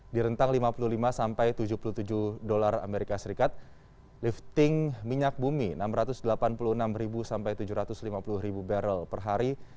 di rentang rp lima puluh lima sampai rp tujuh puluh tujuh usd lifting minyak bumi rp enam ratus delapan puluh enam sampai rp tujuh ratus lima puluh per hari